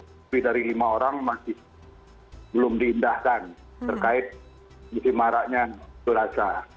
tapi dari lima orang masih belum diindahkan terkait musim maraknya jenazah